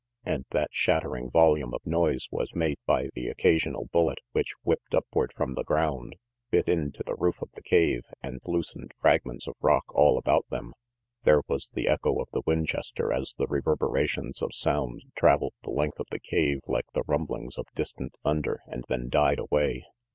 And that shattering volume of noise was made by the occa sional bullet which whipped upward from the ground, bit into the roof of the cave and loosened fragments of rock all about them. There was the echo of the Winchester as the reverberations of sound traveled the length of the cave like the rumblings of distant thunder, and then died away.